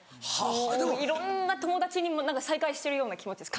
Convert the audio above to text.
もういろんな友達に再会してるような気持ちです